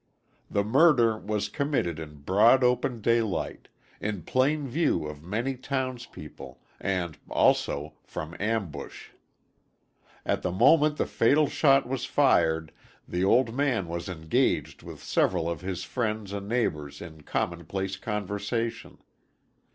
The murder was committed in broad open daylight, in plain view of many townspeople, and, also from ambush. At the moment the fatal shot was fired, the old man was engaged with several of his friends and neighbors in commonplace conversation.